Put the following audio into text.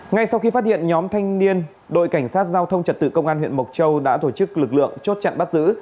ngay sau khi phát hiện nhóm thanh niên đội cảnh sát giao thông trật tự công an huyện mộc châu đã tổ chức lực lượng chốt chặn bắt giữ